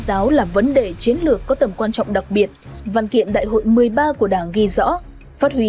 giáo là vấn đề chiến lược có tầm quan trọng đặc biệt văn kiện đại hội một mươi ba của đảng ghi rõ phát huy